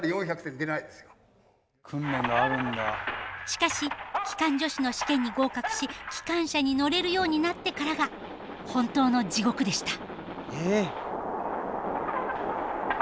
しかし機関助士の試験に合格し機関車に乗れるようになってからが本当の地獄でした。